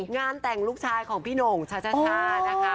งานแต่งลูกชายของพี่หน่งชาช่านะคะ